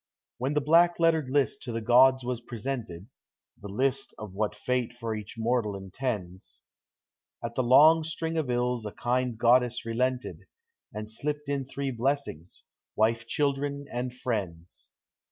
When the black lettered list to the gods was pre sented (The list of what Fate for each mortal intends), At the long string of ills a kind goddess relented, And slipped in three blessings, — wife, children, and friends.